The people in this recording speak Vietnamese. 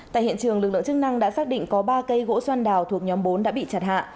tại hiện trường lực lượng chức năng đã xác định có ba cây gỗ xoan đào thuộc nhóm bốn đã bị chặt hạ